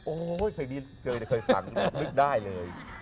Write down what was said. โอ้เพลงนี้เจอแต่เคยสั่งได้เลย